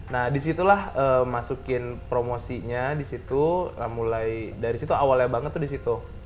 nah disitulah masukin promosinya disitu mulai dari situ awalnya banget disitu